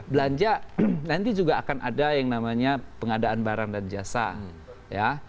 belanja nanti juga akan ada yang namanya pengadaan barang dan jasa ya